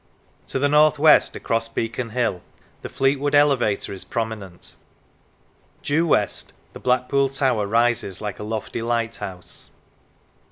To the north west, across Beacon Hill, the Fleet wood elevator is prominent; due west the Blackpool tower rises like a lofty lighthouse.